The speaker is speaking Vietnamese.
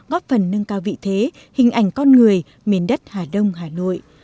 góp phần nâng cao vị thế hình ảnh con người miền đất hà đông hà nội